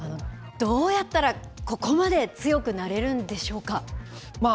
どうやったら、ここまで強くなれるんでしょうか。